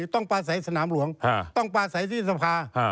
ต้องปลาใสสนามหลวงต้องปลาใสที่สภา